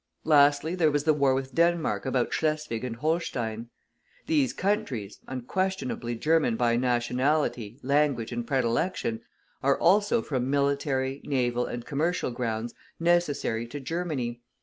Lastly, there was the war with Denmark about Schleswig and Holstein. These countries, unquestionably German by nationality, language and predilection, are also from military, naval and commercial grounds necessary to Germany.